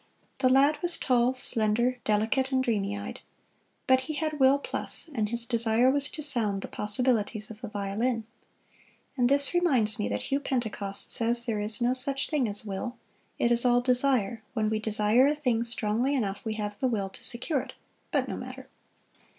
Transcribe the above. The lad was tall, slender, delicate and dreamy eyed. But he had will plus, and his desire was to sound the possibilities of the violin. And this reminds me that Hugh Pentecost says there is no such thing as will it is all desire: when we desire a thing strongly enough, we have the will to secure it but no matter!